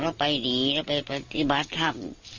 เราไปหลีไปปฏิบัติทำ